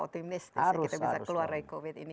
otimis harus kita bisa keluar dari covid ini